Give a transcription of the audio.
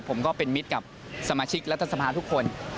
ผมก็เป็นมิตรกับสมาชิกรัฐสภาทุกคน